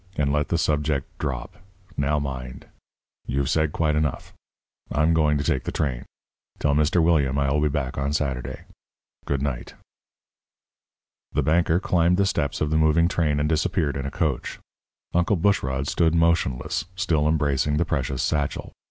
"And let the subject drop now mind! You've said quite enough. I'm going to take the train. Tell Mr. William I will be back on Saturday. Good night." The banker climbed the steps of the moving train and disappeared in a coach. Uncle Bushrod stood motionless, still embracing the precious satchel.